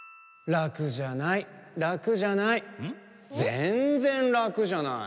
・ぜんぜんラクじゃない。